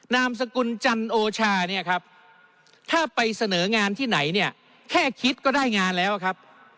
นามสกุลจันโอชาเนี่ยครับถ้าไปเสนองานที่ไหนเนี่ยแค่คิดก็ได้งานแล้วครับ